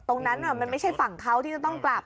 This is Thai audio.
ตรงนั้นมันไม่ใช่ฝั่งเขาที่จะต้องกลับ